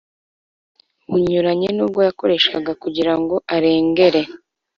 bunyuranye n ubwo yakoreshaga kugira ngo arengere